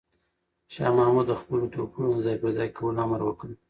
شاه محمود د خپلو توپونو د ځای پر ځای کولو امر وکړ.